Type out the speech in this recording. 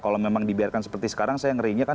kalau memang dibiarkan seperti sekarang saya ngerinya kan